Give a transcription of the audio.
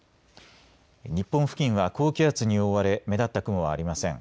日本付近は高気圧に覆われ目立った雲はありません。